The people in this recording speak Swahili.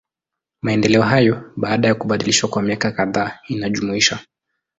Maendeleo hayo, baada ya kubadilishwa kwa miaka kadhaa inajumuisha.